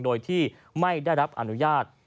โดยที่ไม่ได้รับอนุญาต